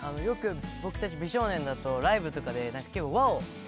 よく僕たち美少年だとライブとかで。